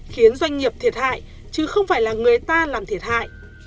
khiến doanh nghiệp thiệt hại chứ không phải là người ta làm thiệt hại